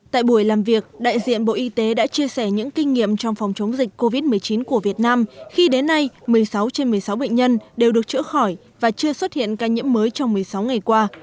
tại buổi làm việc đại diện bộ y tế đã chia sẻ những kinh nghiệm trong phòng chống dịch covid một mươi chín của việt nam khi đến nay một mươi sáu trên một mươi sáu bệnh nhân đều được chữa khỏi và chưa xuất hiện ca nhiễm mới trong một mươi sáu ngày qua